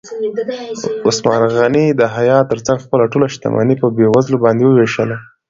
عثمان غني د حیا تر څنګ خپله ټوله شتمني په بېوزلو باندې ووېشله.